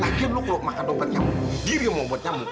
lagian lo kalau makan obat nyamuk diri lo yang mau buat nyamuk